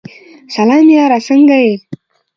سلام یاره سنګه یی ؟